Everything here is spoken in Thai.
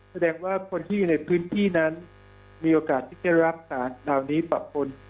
แสดงว่าคนที่อยู่ในพื้นที่นั้นมีโอกาสที่จะได้รับสารเหล่านี้ปรับปน